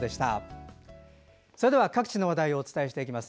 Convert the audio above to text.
それでは各地の話題をお伝えしていきます。